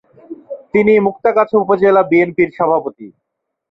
তিনি মুক্তাগাছা উপজেলা বিএনপির সভাপতি।